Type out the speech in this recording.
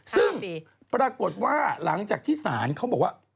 ซึ่งปรากฏว่าหลังจากที่ศาลเขาบอกว่า